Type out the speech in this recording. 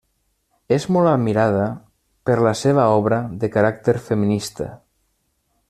És molt admirada per la seva obra, de caràcter feminista.